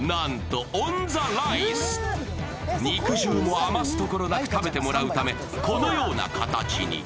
肉汁も余すところなく食べてもらうため、このような形に。